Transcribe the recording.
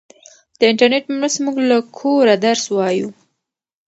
د انټرنیټ په مرسته موږ له کوره درس وایو.